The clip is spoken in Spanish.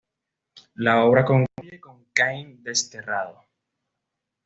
La obra concluye con Cain desterrado.